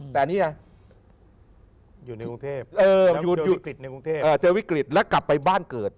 แต่นี่ไงอยู่ในกรุงเทพเจอวิกฤตแล้วกลับไปบ้านเกิด